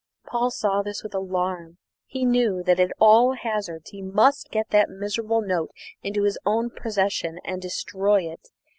Paul saw this with alarm; he knew that at all hazards he must get that miserable note into his own possession and destroy it.